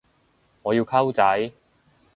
我要溝仔